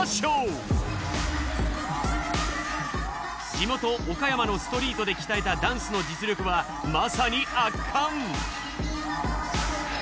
地元岡山のストリートで鍛えたダンスの実力はまさに圧巻。